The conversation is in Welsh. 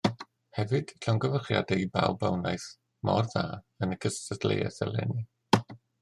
Hefyd llongyfarchiadau i bawb a wnaeth mor dda yn y gystadleuaeth eleni